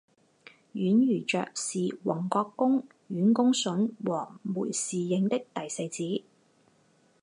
阮如琢是宏国公阮公笋和枚氏映的第四子。